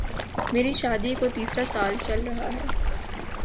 میری شادی کو تیسرا سال چل رہا ہے